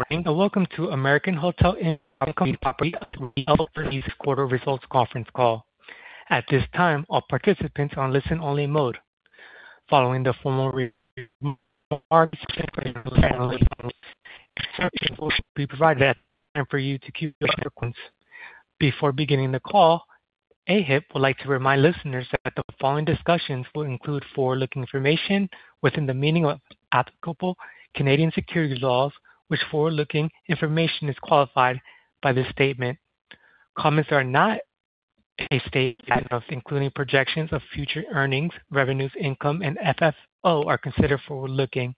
Good morning, welcome to American Hotel Income Properties' first quarter results conference call. At this time all participant are in listen only mode. [inaudible] Before beginning the call, AHIP would like to remind listeners that the following discussions will include forward-looking information within the meaning of applicable Canadian securities laws, which forward-looking information is qualified by this statement. Comments are not a statement, including projections of future earnings, revenues, income, and FFO are considered forward-looking.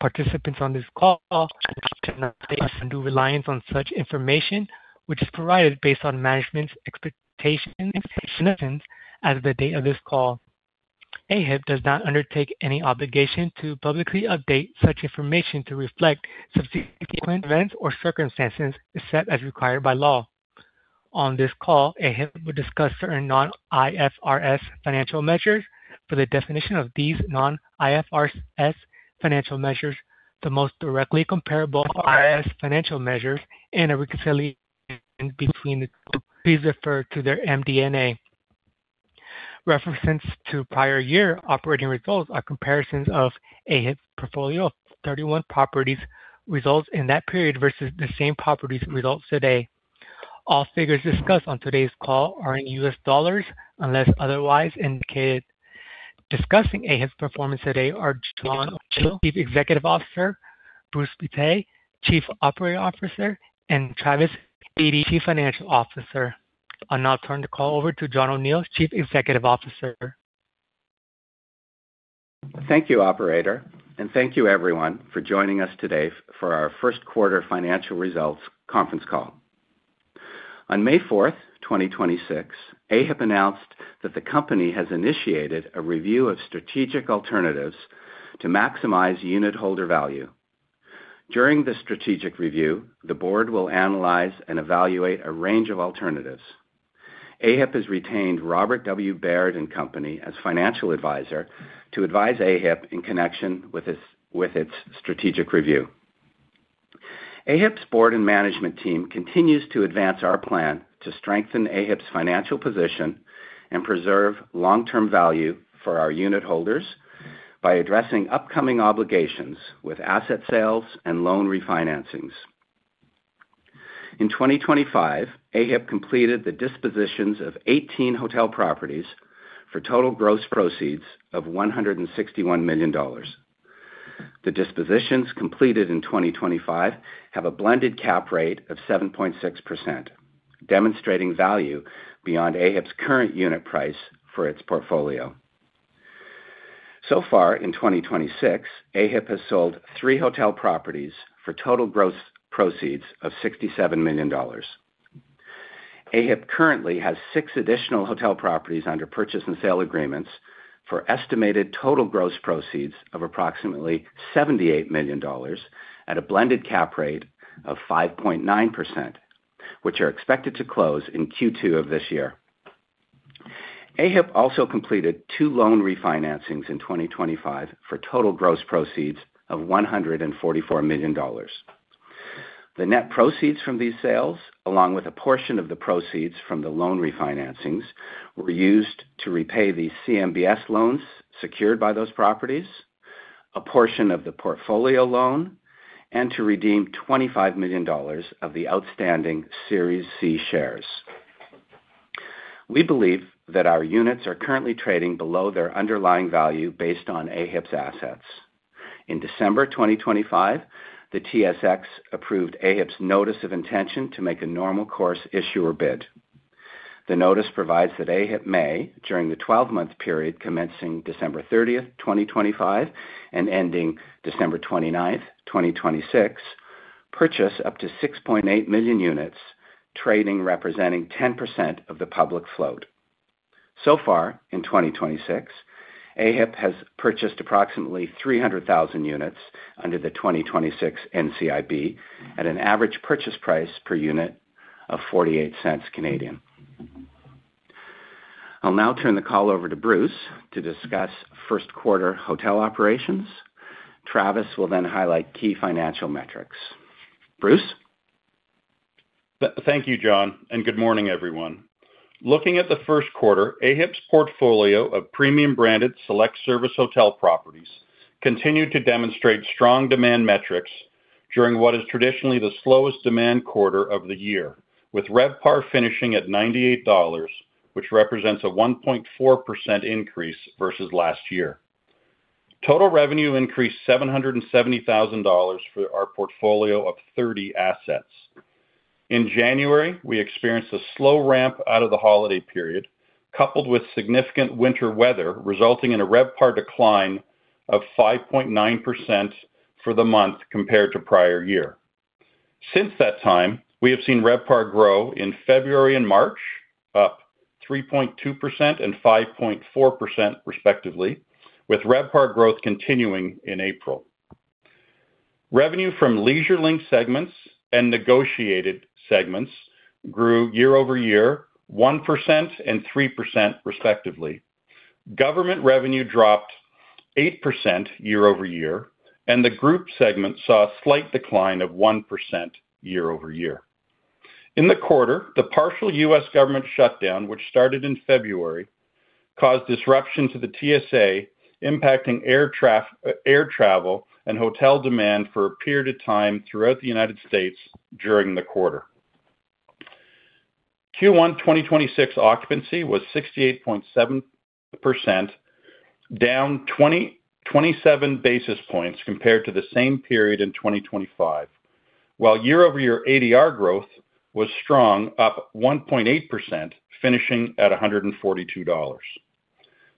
Participants on this call are encouraged to not place undue reliance on such information, which is provided based on management's expectations as of the date of this call. AHIP does not undertake any obligation to publicly update such information to reflect subsequent events or circumstances, except as required by law. On this call, AHIP will discuss certain non-IFRS financial measures. For the definition of these non-IFRS financial measures, the most directly comparable IFRS financial measures, and a reconciliation between the two, please refer to their MD&A. References to prior year operating results are comparisons of AHIP's portfolio of 31 properties results in that period versus the same properties results today. All figures discussed on today's call are in U.S. dollars unless otherwise indicated. Discussing AHIP's performance today are John O'Neill, Chief Executive Officer, Bruce Pittet, Chief Operating Officer, and Travis Beatty, Chief Financial Officer. I'll now turn the call over to John O'Neill, Chief Executive Officer. Thank you, operator. Thank you everyone for joining us today for our first quarter financial results conference call. On May 4th, 2026, AHIP announced that the company has initiated a review of strategic alternatives to maximize unit holder value. During the strategic review, the board will analyze and evaluate a range of alternatives. AHIP has retained Robert W. Baird & Co. as financial advisor to advise AHIP in connection with its strategic review. AHIP's board and management team continues to advance our plan to strengthen AHIP's financial position and preserve long-term value for our unit holders by addressing upcoming obligations with asset sales and loan refinancings. In 2025, AHIP completed the dispositions of 18 hotel properties for total gross proceeds of $161 million. The dispositions completed in 2025 have a blended cap rate of 7.6%, demonstrating value beyond AHIP's current unit price for its portfolio. So far in 2026, AHIP has sold three hotel properties for total gross proceeds of $67 million. AHIP currently has six additional hotel properties under purchase and sale agreements for estimated total gross proceeds of approximately $78 million at a blended cap rate of 5.9%, which are expected to close in Q2 of this year. AHIP also completed two loan refinancings in 2025 for total gross proceeds of $144 million. The net proceeds from these sales, along with a portion of the proceeds from the loan refinancings, were used to repay the CMBS loans secured by those properties, a portion of the portfolio loan, and to redeem $25 million of the outstanding Series C shares. We believe that our units are currently trading below their underlying value based on AHIP's assets. In December 2025, the TSX approved AHIP's notice of intention to make a normal course issuer bid. The notice provides that AHIP may, during the 12-month period commencing December 30th, 2025 and ending December 29th, 2026, purchase up to 6.8 million units, trading representing 10% of the public float. So far in 2026, AHIP has purchased approximately 300,000 units under the 2026 NCIB at an average purchase price per unit of 0.48. I'll now turn the call over to Bruce to discuss first quarter hotel operations. Travis will then highlight key financial metrics. Bruce. Thank you, John, and good morning, everyone. Looking at the first quarter, AHIP's portfolio of premium branded Select Service hotel properties continued to demonstrate strong demand metrics during what is traditionally the slowest demand quarter of the year, with RevPAR finishing at $98, which represents a 1.4% increase versus last year. Total revenue increased $770,000 for our portfolio of 30 assets. In January, we experienced a slow ramp out of the holiday period, coupled with significant winter weather, resulting in a RevPAR decline of 5.9% for the month compared to prior year. Since that time, we have seen RevPAR grow in February and March, up 3.2% and 5.4% respectively, with RevPAR growth continuing in April. Revenue from leisure-linked segments and negotiated segments grew year-over-year 1% and 3% respectively. Government revenue dropped 8% year-over-year. The group segment saw a slight decline of 1% year-over-year. In the quarter, the partial U.S. government shutdown, which started in February, caused disruption to the TSA, impacting air travel and hotel demand for a period of time throughout the United States during the quarter. Q1 2026 occupancy was 68.7%, down 27 basis points compared to the same period in 2025. Year-over-year ADR growth was strong, up 1.8%, finishing at $142.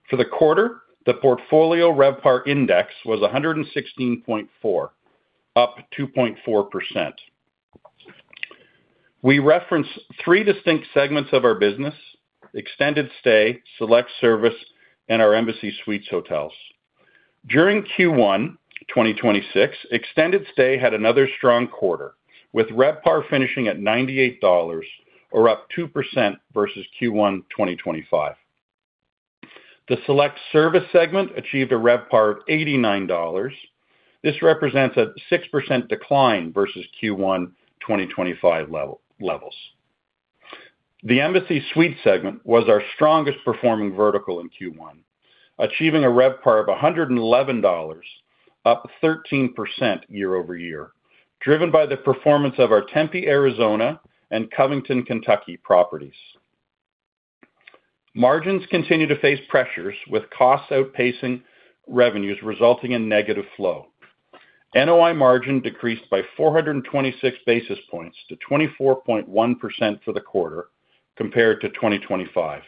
For the quarter, the portfolio RevPAR index was 116.4, up 2.4%. We reference three distinct segments of our business: Extended Stay, Select Service and our Embassy Suites hotels. During Q1 2026, Extended Stay had another strong quarter, with RevPAR finishing at $98, or up 2% versus Q1 2025. The Select Service segment achieved a RevPAR of $89. This represents a 6% decline versus Q1 2025 levels. The Embassy Suites segment was our strongest performing vertical in Q1, achieving a RevPAR of $111, up 13% year-over-year, driven by the performance of our Tempe, Arizona, and Covington, Kentucky properties. Margins continue to face pressures, with costs outpacing revenues resulting in negative flow. NOI margin decreased by 426 basis points to 24.1% for the quarter compared to 2025.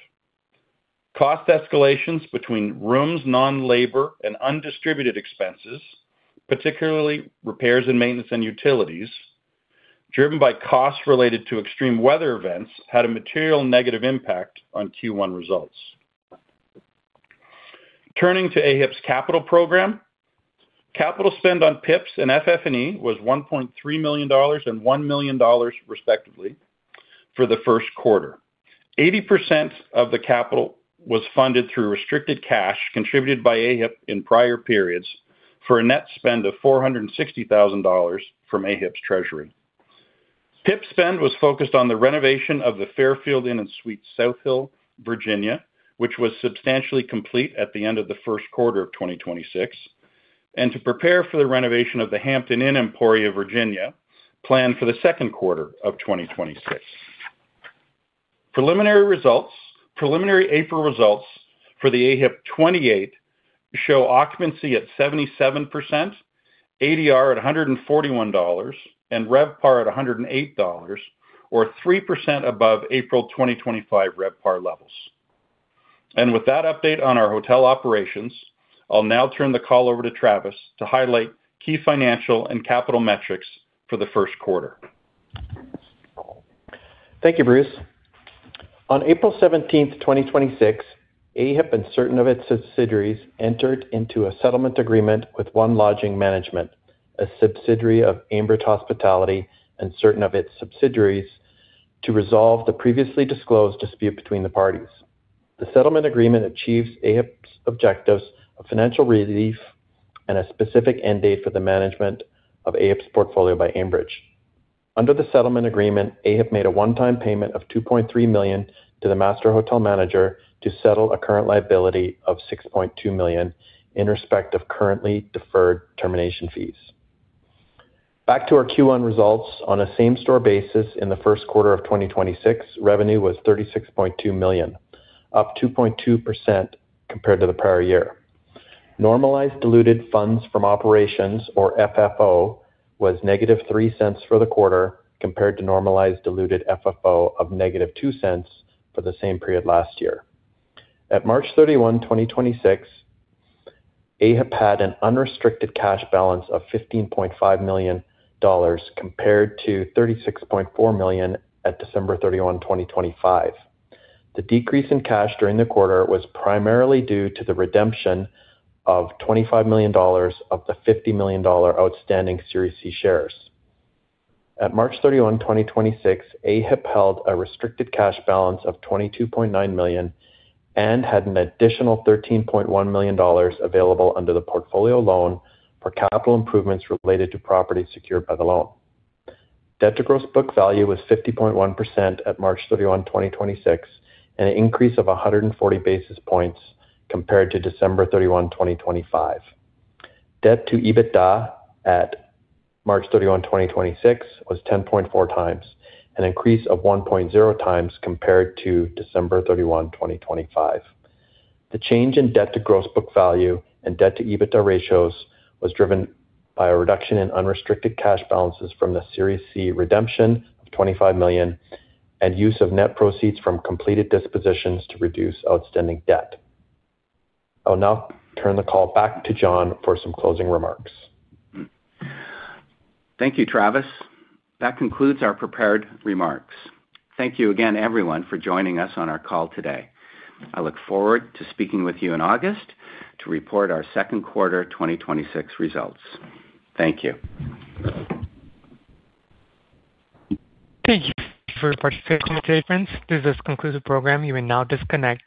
Cost escalations between rooms, non-labor, and undistributed expenses, particularly repairs and maintenance and utilities, driven by costs related to extreme weather events, had a material negative impact on Q1 results. Turning to AHIP's capital program. Capital spend on PIPs and FF&E was $1.3 million and $1 million, respectively, for the first quarter. 80% of the capital was funded through restricted cash contributed by AHIP in prior periods for a net spend of $460,000 from AHIP's treasury. PIP spend was focused on the renovation of the Fairfield Inn & Suites, South Hill, Virginia, which was substantially complete at the end of the first quarter of 2026. To prepare for the renovation of the Hampton Inn in Emporia, Virginia, planned for the second quarter of 2026. Preliminary April results for the AHIP 28 show occupancy at 77%, ADR at $141, and RevPAR at $108, or 3% above April 2025 RevPAR levels. With that update on our hotel operations, I'll now turn the call over to Travis to highlight key financial and capital metrics for the first quarter. Thank you, Bruce. On April 17, 2026, AHIP and certain of its subsidiaries entered into a settlement agreement with ONE Lodging Management, a subsidiary of Aimbridge Hospitality, and certain of its subsidiaries to resolve the previously disclosed dispute between the parties. The settlement agreement achieves AHIP's objectives of financial relief and a specific end date for the management of AHIP's portfolio by Aimbridge. Under the settlement agreement, AHIP made a one-time payment of $2.3 million to the master hotel manager to settle a current liability of $6.2 million in respect of currently deferred termination fees. Back to our Q1 results. On a same-store basis in the first quarter of 2026, revenue was $36.2 million, up 2.2% compared to the prior year. Normalized diluted Funds From Operations, or FFO, was negative $0.03 for the quarter compared to normalized diluted FFO of negative $0.02 for the same period last year. At March 31, 2026, AHIP had an unrestricted cash balance of $15.5 million compared to $36.4 million at December 31, 2025. The decrease in cash during the quarter was primarily due to the redemption of $25 million of the $50 million outstanding Series C shares. At March 31, 2026, AHIP held a restricted cash balance of $22.9 million and had an additional $13.1 million available under the portfolio loan for capital improvements related to properties secured by the loan. Debt to gross book value was 50.1% at March 31, 2026, an increase of 140 basis points compared to December 31, 2025. Debt to EBITDA at March 31, 2026, was 10.4x, an increase of 1.0x compared to December 31, 2025. The change in debt to gross book value and debt to EBITDA ratios was driven by a reduction in unrestricted cash balances from the Series C redemption of $25 million and use of net proceeds from completed dispositions to reduce outstanding debt. I'll now turn the call back to John for some closing remarks. Thank you, Travis. That concludes our prepared remarks. Thank you again, everyone, for joining us on our call today. I look forward to speaking with you in August to report our second quarter 2026 results. Thank you. Thank you for participating in the conference. This does conclude the program. You may now disconnect.